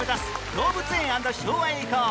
動物園＆昭和へ行こう！